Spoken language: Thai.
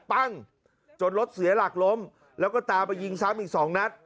ปั้งจนรถเสียหลักล้มแล้วก็ตามไปยิงซ้ำอีก๒นัด